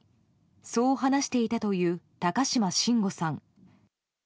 そう話していたという高島晨伍さん。